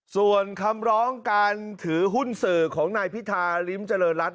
ส่วนคำร้องการถือหุ้นสื่อของนายพิธาริมเจริญรัฐ